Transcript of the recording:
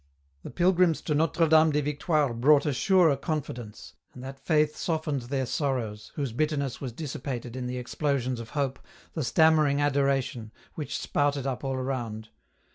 The pilgrims to Notre Dame des Victoires brought a surer confidence, and that faith softened their sorrows, whose bitterness was dissipated in the explosions of hope, the stammering adoration, which spouted up all around.